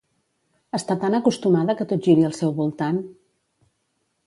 Està tan acostumada que tot giri al seu voltant!